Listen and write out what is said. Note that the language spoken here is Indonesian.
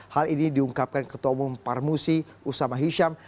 hal ini diungkapkan ketua umum parmusi usama hisyam